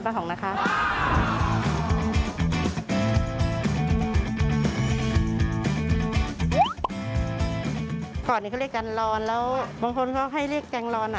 บางคนเขาให้เรียกแจงรอน